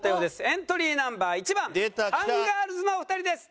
エントリーナンバー１番アンガールズのお二人です。